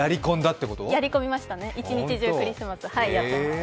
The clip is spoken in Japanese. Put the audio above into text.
やりこみましたね、一日中クリスマスやってました。